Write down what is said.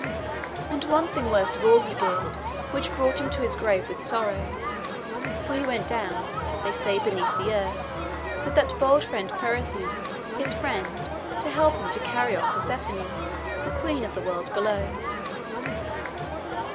And one thing worst of all he did, which brought him to his grave with sorrow. For he went down (they say beneath the earth) with that bold Peirithoos his friend to help him to carry off Persephone, the queen of the world below.